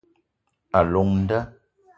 A llong nda